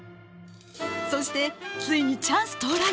そしてついにチャンス到来。